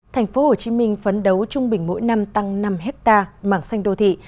thành phố hồ chí minh phấn đấu trung bình mỗi năm tăng năm hectare mảng xanh đô thị